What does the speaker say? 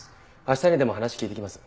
明日にでも話聞いてきます。